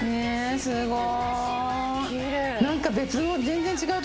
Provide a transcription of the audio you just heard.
すごい。